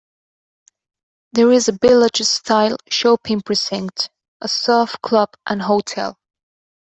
There is a village style shopping precinct, a surf club and hotel.